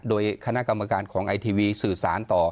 โดยคณะกรรมการของไอทีวีสื่อสารต่อ